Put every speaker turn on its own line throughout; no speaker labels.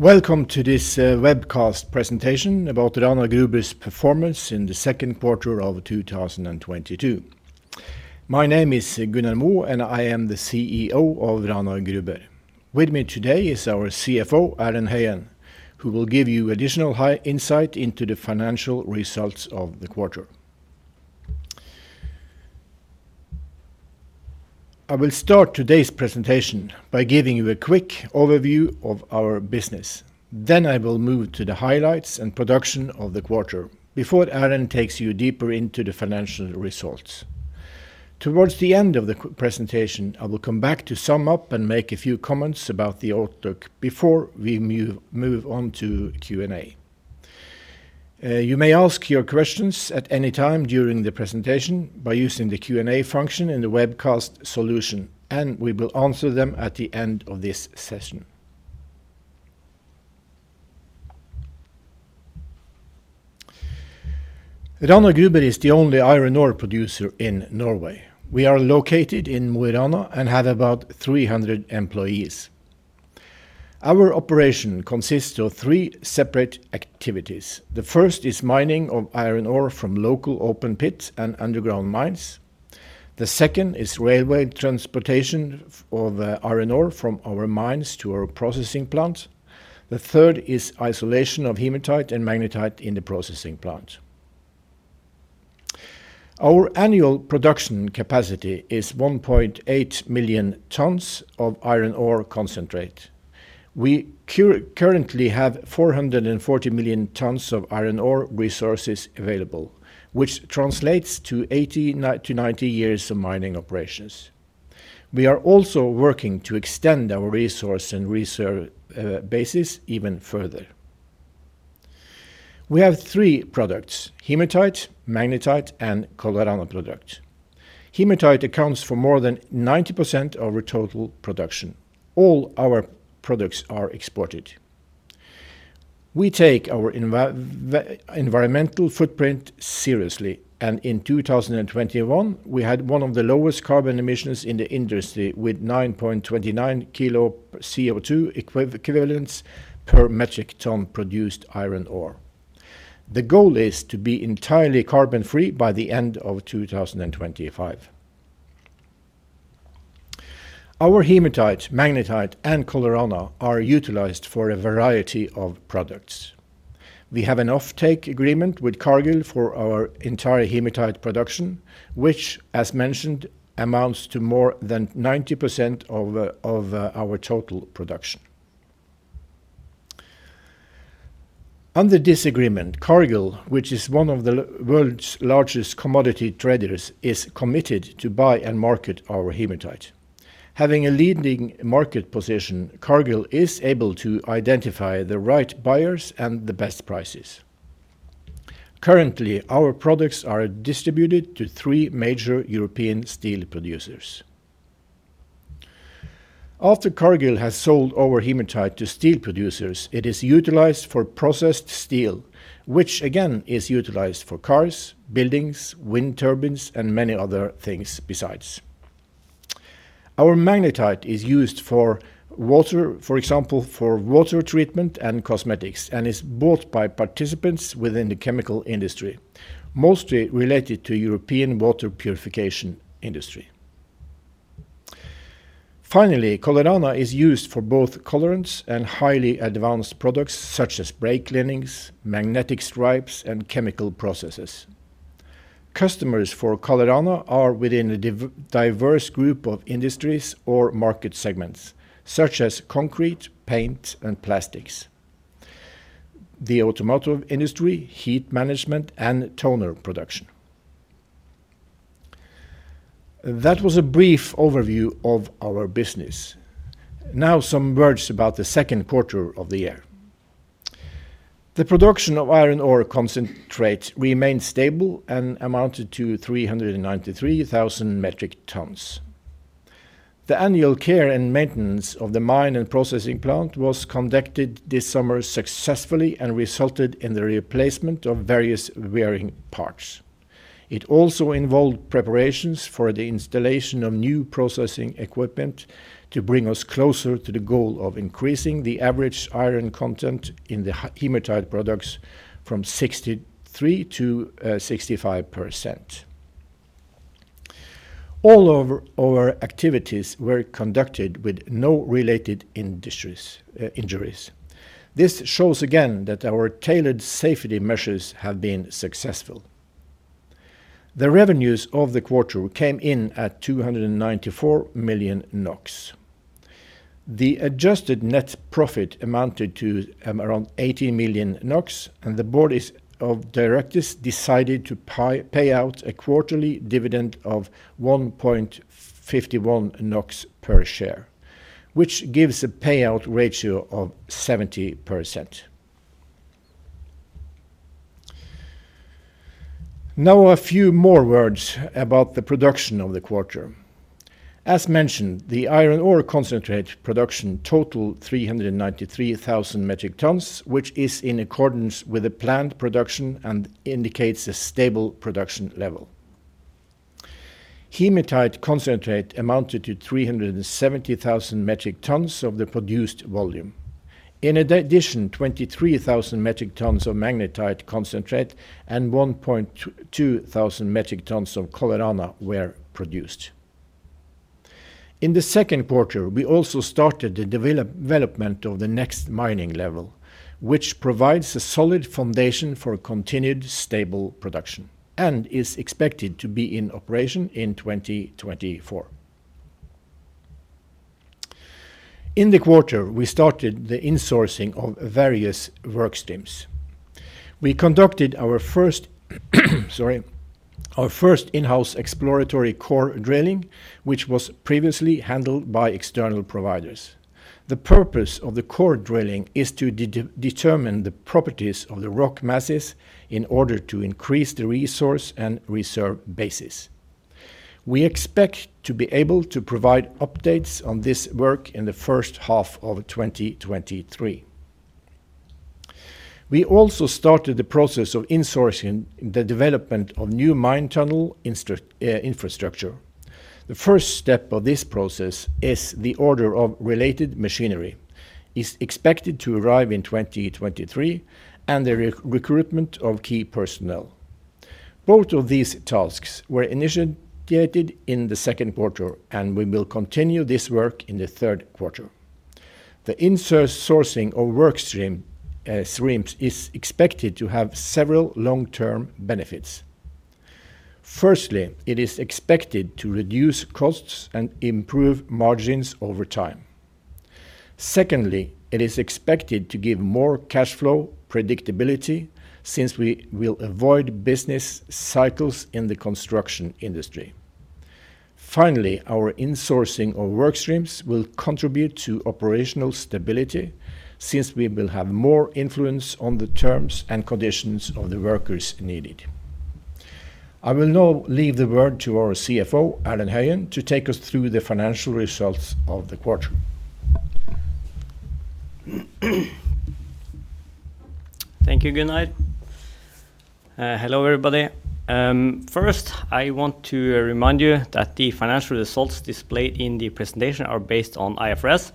Welcome to this webcast presentation about Rana Gruber's performance in the second quarter of 2022. My name is Gunnar Moe, and I am the CEO of Rana Gruber. With me today is our CFO, Erlend Høyen, who will give you additional high insight into the financial results of the quarter. I will start today's presentation by giving you a quick overview of our business. Then I will move to the highlights and production of the quarter before Erlend takes you deeper into the financial results. Towards the end of the presentation, I will come back to sum up and make a few comments about the outlook before we move on to Q&A. You may ask your questions at any time during the presentation by using the Q&A function in the webcast solution, and we will answer them at the end of this session. Rana Gruber is the only iron ore producer in Norway. We are located in Mo i Rana and have about 300 employees. Our operation consists of three separate activities. The first is mining of iron ore from local open pits and underground mines. The second is railway transportation of iron ore from our mines to our processing plant. The third is isolation of Hematite and Magnetite in the processing plant. Our annual production capacity is 1.8 million tons of iron ore concentrate. We currently have 440 million tons of iron ore resources available, which translates to 80-90 years of mining operations. We are also working to extend our resource and reserve basis even further. We have three products, Hematite, Magnetite, and Colorana product. Hematite accounts for more than 90% of our total production. All our products are exported. We take our environmental footprint seriously, and in 2021, we had one of the lowest carbon emissions in the industry with 9.29 kg CO2 equivalents per metric ton produced iron ore. The goal is to be entirely carbon-free by the end of 2025. Our hematite, magnetite, and Colorana are utilized for a variety of products. We have an offtake agreement with Cargill for our entire hematite production, which as mentioned, amounts to more than 90% of our total production. Under this agreement, Cargill, which is one of the world's largest commodity traders, is committed to buy and market our hematite. Having a leading market position, Cargill is able to identify the right buyers and the best prices. Currently, our products are distributed to three major European steel producers. After Cargill has sold our hematite to steel producers, it is utilized for processed steel, which again is utilized for cars, buildings, wind turbines, and many other things besides. Our magnetite is used for water, for example, for water treatment and cosmetics, and is bought by participants within the chemical industry, mostly related to European water purification industry. Finally, Colorana is used for both colorants and highly advanced products such as brake linings, magnetic stripes, and chemical processes. Customers for Colorana are within a diverse group of industries or market segments such as concrete, paint, and plastics, the automotive industry, heat management, and toner production. That was a brief overview of our business. Now some words about the second quarter of the year. The production of iron ore concentrate remained stable and amounted to 393,000 metric tons. The annual care and maintenance of the mine and processing plant was conducted this summer successfully and resulted in the replacement of various wearing parts. It also involved preparations for the installation of new processing equipment to bring us closer to the goal of increasing the average iron content in the hematite products from 63%-65%. All of our activities were conducted with no related injuries. This shows again that our tailored safety measures have been successful. The revenues of the quarter came in at 294 million NOK. The adjusted net profit amounted to around 80 million NOK, and the board of directors decided to pay out a quarterly dividend of 1.51 NOK per share, which gives a payout ratio of 70%. Now a few more words about the production of the quarter. As mentioned, the iron ore concentrate production totaled 393,000 metric tons, which is in accordance with the planned production and indicates a stable production level. Hematite concentrate amounted to 370,000 metric tons of the produced volume. In addition, 23,000 metric tons of magnetite concentrate and 1,200 metric tons of Colorana were produced. In the second quarter, we also started the development of the next mining level, which provides a solid foundation for continued stable production and is expected to be in operation in 2024. In the quarter, we started the insourcing of various work streams. We conducted our first in-house exploratory core drilling, which was previously handled by external providers. The purpose of the core drilling is to determine the properties of the rock masses in order to increase the resource and reserve bases. We expect to be able to provide updates on this work in the first half of 2023. We also started the process of insourcing the development of new mine tunnel infrastructure. The first step of this process is the order of related machinery expected to arrive in 2023 and the recruitment of key personnel. Both of these tasks were initiated in the second quarter, and we will continue this work in the third quarter. The insourcing of work streams is expected to have several long-term benefits. Firstly, it is expected to reduce costs and improve margins over time. Secondly, it is expected to give more cash flow predictability since we will avoid business cycles in the construction industry. Finally, our insourcing of work streams will contribute to operational stability since we will have more influence on the terms and conditions of the workers needed. I will now leave the word to our CFO, Erlend Høyen, to take us through the financial results of the quarter.
Thank you, Gunnar. Hello, everybody. First, I want to remind you that the financial results displayed in the presentation are based on IFRS,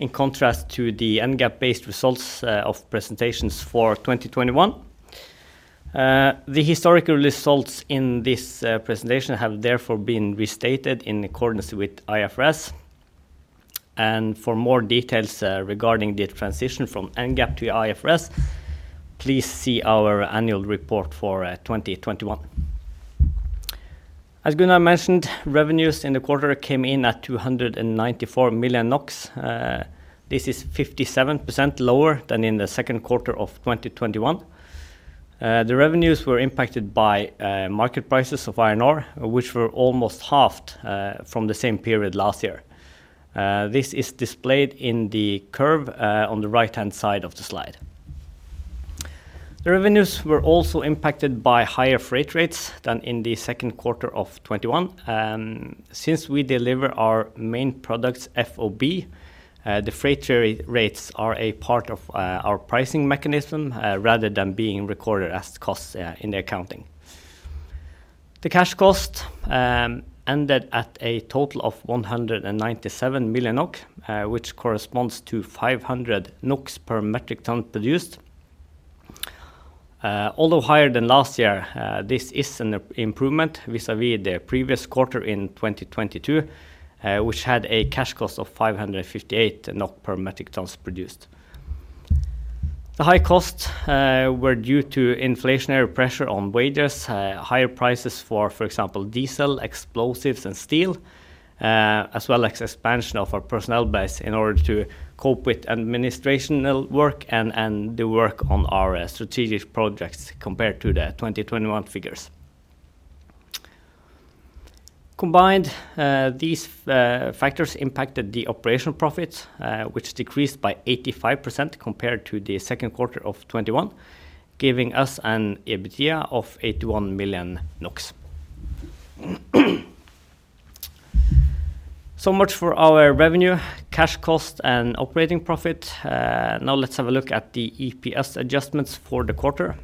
in contrast to the NGAAP-based results of presentations for 2021. The historical results in this presentation have therefore been restated in accordance with IFRS. For more details regarding the transition from NGAAP to IFRS, please see our annual report for 2021. As Gunnar mentioned, revenues in the quarter came in at 294 million NOK. This is 57% lower than in the second quarter of 2021. The revenues were impacted by market prices of iron ore, which were almost halved from the same period last year. This is displayed in the curve on the right-hand side of the slide. The revenues were also impacted by higher freight rates than in the second quarter of 2021. Since we deliver our main products FOB, the freight rates are a part of our pricing mechanism, rather than being recorded as costs in the accounting. The cash cost ended at a total of 197 million NOK, which corresponds to 500 NOK per metric ton produced. Although higher than last year, this is an improvement vis-à-vis the previous quarter in 2022, which had a cash cost of 558 NOK per metric ton produced. The high costs were due to inflationary pressure on wages, higher prices for example, diesel, explosives, and steel, as well as expansion of our personnel base in order to cope with administrative work and the work on our strategic projects compared to the 2021 figures. Combined, these factors impacted the operational profits, which decreased by 85% compared to the second quarter of 2021, giving us an EBITDA of 81 million NOK. So much for our revenue, cash cost, and operating profit. Now let's have a look at the EPS adjustments for the quarter.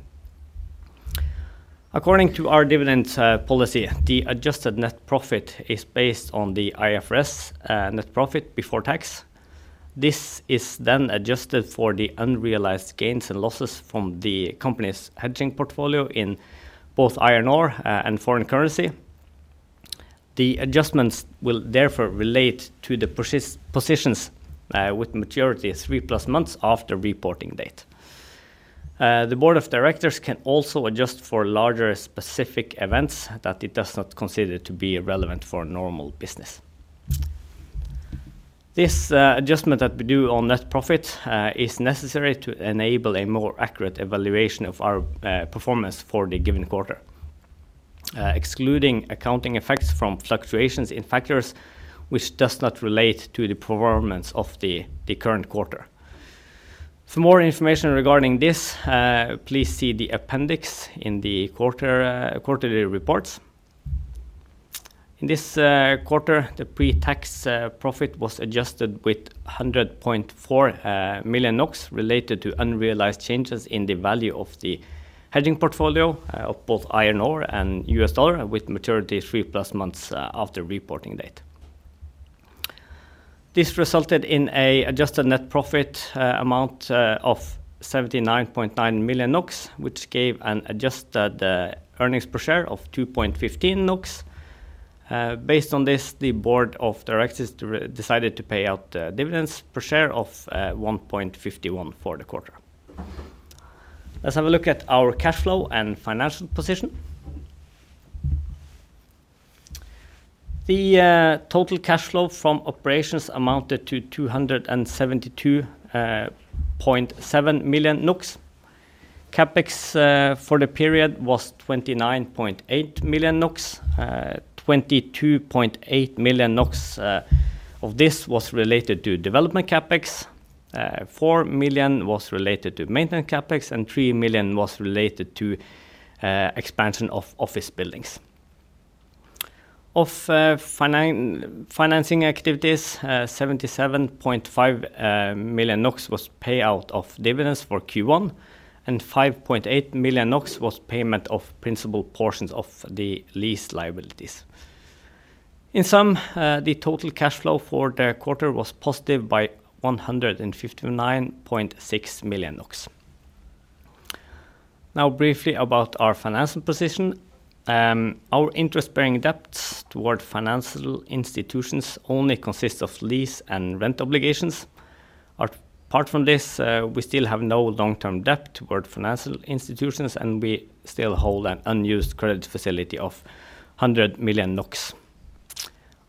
According to our dividend policy, the adjusted net profit is based on the IFRS net profit before tax. This is then adjusted for the unrealized gains and losses from the company's hedging portfolio in both iron ore and foreign currency. The adjustments will therefore relate to the positions with maturity 3+ months after reporting date. The board of directors can also adjust for larger specific events that it does not consider to be relevant for normal business. This adjustment that we do on net profit is necessary to enable a more accurate evaluation of our performance for the given quarter, excluding accounting effects from fluctuations in factors which does not relate to the performance of the current quarter. For more information regarding this, please see the appendix in the quarterly reports. In this quarter, the pre-tax profit was adjusted with 100.4 million NOK related to unrealized changes in the value of the hedging portfolio of both iron ore and US dollar with maturity 3+ months after reporting date. This resulted in an adjusted net profit amount of 79.9 million NOK, which gave an adjusted earnings per share of 2.15 NOK. Based on this, the board of directors decided to pay out dividends per share of 1.51 NOK for the quarter. Let's have a look at our cash flow and financial position. The total cash flow from operations amounted to 272.7 million. CapEx for the period was 29.8 million. 22.8 million of this was related to development CapEx. 4 million was related to maintenance CapEx, and 3 million was related to expansion of office buildings. Of financing activities, 77.5 million NOK was payout of dividends for Q1, and 5.8 million NOK was payment of principal portions of the lease liabilities. In sum, the total cash flow for the quarter was positive by 159.6 million NOK. Now briefly about our financial position. Our interest-bearing debts toward financial institutions only consist of lease and rent obligations. Apart from this, we still have no long-term debt toward financial institutions, and we still hold an unused credit facility of 100 million NOK.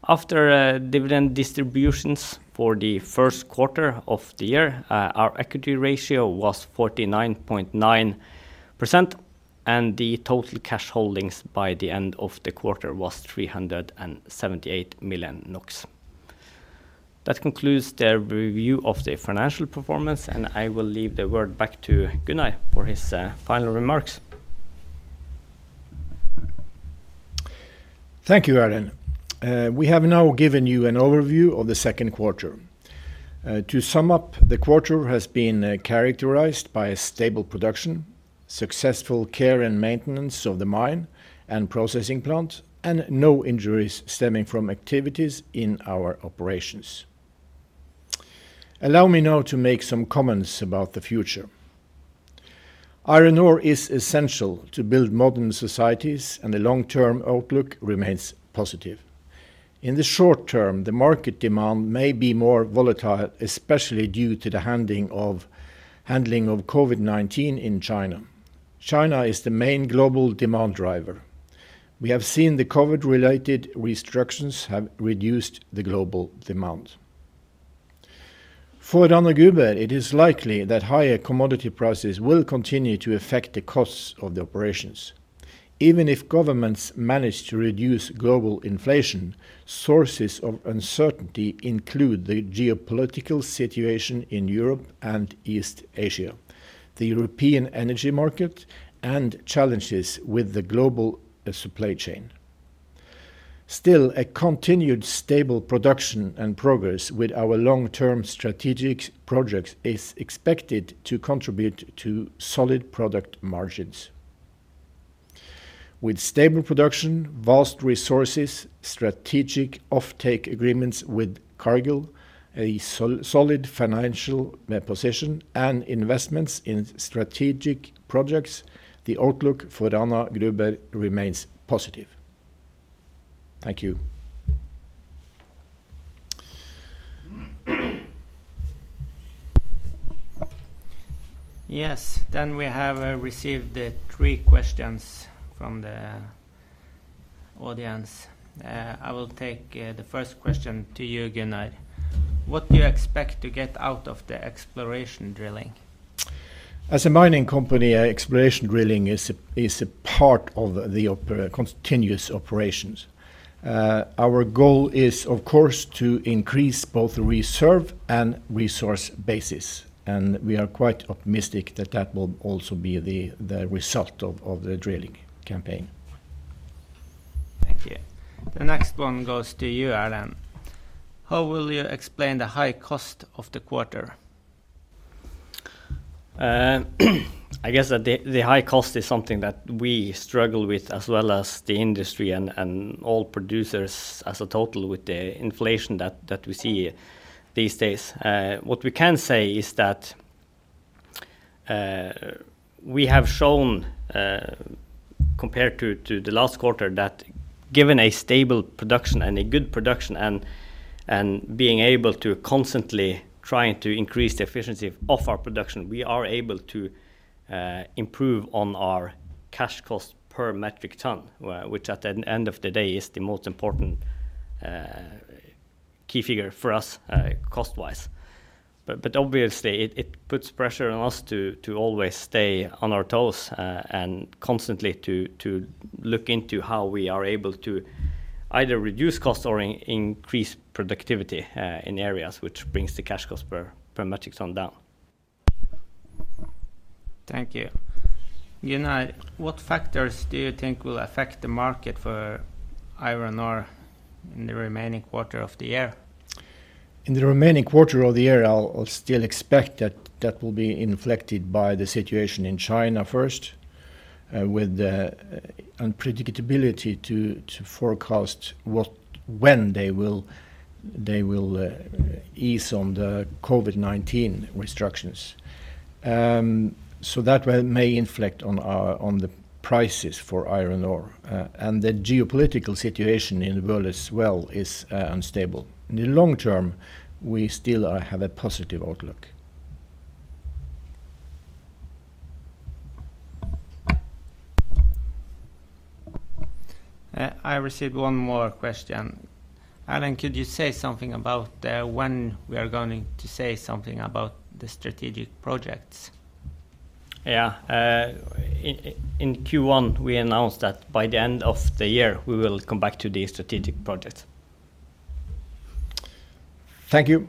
After dividend distributions for the first quarter of the year, our equity ratio was 49.9%, and the total cash holdings by the end of the quarter was 378 million NOK. That concludes the review of the financial performance, and I will leave the word back to Gunnar for his final remarks.
Thank you, Erlend. We have now given you an overview of the second quarter. To sum up, the quarter has been characterized by a stable production, successful care and maintenance of the mine and processing plant, and no injuries stemming from activities in our operations. Allow me now to make some comments about the future. Iron ore is essential to build modern societies, and the long-term outlook remains positive. In the short term, the market demand may be more volatile, especially due to the handling of COVID-19 in China. China is the main global demand driver. We have seen the COVID-related restrictions have reduced the global demand. For Rana Gruber, it is likely that higher commodity prices will continue to affect the costs of the operations. Even if governments manage to reduce global inflation, sources of uncertainty include the geopolitical situation in Europe and East Asia, the European energy market, and challenges with the global supply chain. Still, a continued stable production and progress with our long-term strategic projects is expected to contribute to solid product margins. With stable production, vast resources, strategic offtake agreements with Cargill, a solid financial position, and investments in strategic projects, the outlook for Rana Gruber remains positive. Thank you.
Yes. We have received the three questions from the audience. I will take the first question to you, Gunnar. What do you expect to get out of the exploration drilling?
As a mining company, exploration drilling is a part of the continuous operations. Our goal is, of course, to increase both the reserve and resource bases, and we are quite optimistic that that will also be the result of the drilling campaign.
Thank you. The next one goes to you, Erlend. How will you explain the high cost of the quarter?
I guess that the high cost is something that we struggle with as well as the industry and all producers as a total with the inflation that we see these days. What we can say is that we have shown, compared to the last quarter, that given a stable production and a good production and being able to constantly trying to increase the efficiency of our production, we are able to improve on our cash cost per metric ton, which at the end of the day is the most important key figure for us, cost-wise. Obviously it puts pressure on us to always stay on our toes and constantly to look into how we are able to either reduce costs or increase productivity in areas which brings the cash cost per metric ton down.
Thank you. Gunnar, what factors do you think will affect the market for iron ore in the remaining quarter of the year?
In the remaining quarter of the year, I'll still expect that will be affected by the situation in China first, with the unpredictability to forecast when they will ease on the COVID-19 restrictions. That may affect our prices for iron ore, and the geopolitical situation in the world as well is unstable. In the long term, we still have a positive outlook.
I received one more question. Erlend, could you say something about when we are going to say something about the strategic projects?
Yeah. In Q1, we announced that by the end of the year we will come back to the strategic projects.
Thank you.